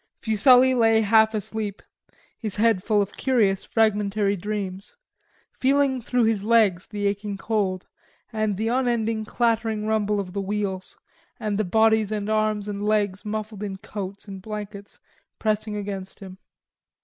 Fuselli lay half asleep, his head full of curious fragmentary dreams, feeling through his sleep the aching cold and the unending clattering rumble of the wheels and the bodies and arms and legs muffled in coats and blankets pressing against him.